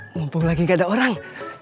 ngumpul lagi gak ada orang